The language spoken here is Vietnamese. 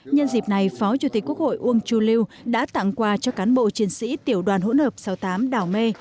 nhân dịp này phó chủ tịch quốc hội uông chu lưu đã tặng quà cho cán bộ chiến sĩ tiểu đoàn hỗn hợp sáu mươi tám đảo mê